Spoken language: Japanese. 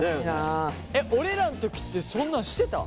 えっ俺らの時ってそんなのしてた？